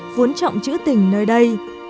vốn trọng trữ tình nơi đây